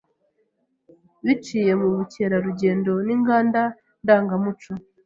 biciye mu bukerarugendo n’inganda ndangamuco.